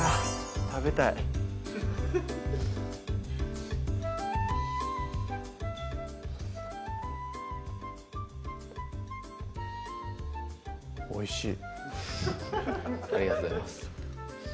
食べたいおいしいありがとうございます